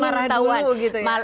marah marah dulu gitu ya